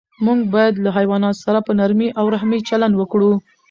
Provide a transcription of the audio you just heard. موږ باید له حیواناتو سره په نرمۍ او رحم چلند وکړو.